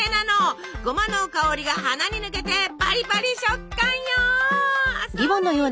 ゴマの香りが鼻に抜けてパリパリ食感よあっそれ！